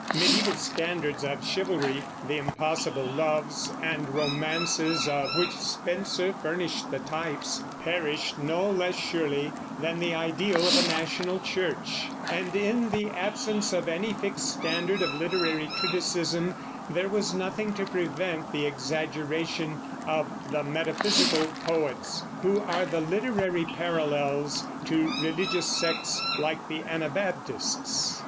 Mediaeval standards of chivalry, the impossible loves and romances of which Spenser furnished the types, perished no less surely than the ideal of a national church; and in the absence of any fixed standard of literary criticism there was nothing to prevent the exaggeration of the "metaphysical" poets, who are the literary parallels to religious sects like the Anabaptists.